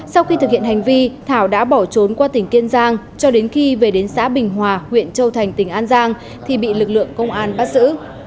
sau khi thực hiện hành vi thảo đã bỏ trốn qua tỉnh kiên giang cho đến khi về đến xã bình hòa huyện châu thành tỉnh an giang thì bị lực lượng công an bắt xử